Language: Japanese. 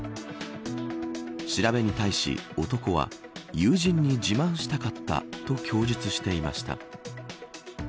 調べに対し、男は友人に自慢したかったと供述していました。